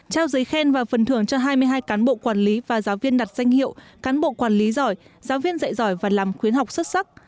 trao giấy khen và phần thưởng cho hai mươi hai cán bộ quản lý và giáo viên đặt danh hiệu cán bộ quản lý giỏi giáo viên dạy giỏi và làm khuyến học xuất sắc